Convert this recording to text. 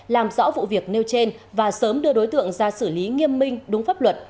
làm rõ vụ việc nêu trên và sớm đưa đối tượng ra xử lý nghiêm minh đúng pháp luật